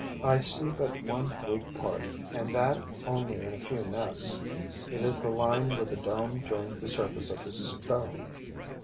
I see but one weak part and that only in a few nests: it is the line where the dome joins the surface of the stone.